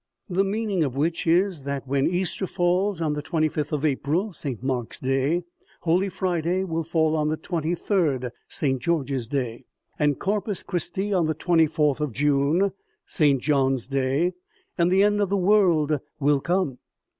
The meaning of which is, that when Easter falls on the twenty fifth of April (St. Mark's day), Holy Friday will fall on the twenty third (St. George's day), and Corpus Christi on the twenty fourth of June (St. John's day), and the end of the world will come.